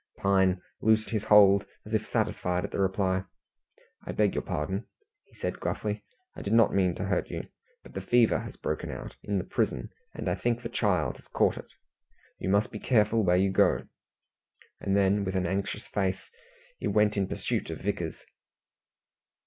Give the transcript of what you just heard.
Pine loosed his hold as if satisfied at the reply. "I beg your pardon," he said gruffly. "I did not mean to hurt you. But the fever has broken out in the prison, and I think the child has caught it. You must be careful where you go." And then, with an anxious face, he went in pursuit of Vickers.